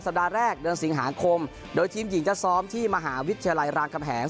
แรกเดือนสิงหาคมโดยทีมหญิงจะซ้อมที่มหาวิทยาลัยรามคำแหง